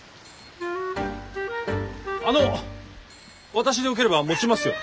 あの私でよければ持ちますよ。